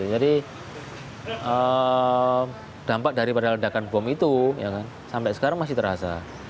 jadi dampak daripada lendakan bom itu sampai sekarang masih terasa